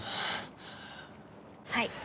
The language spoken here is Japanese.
はい。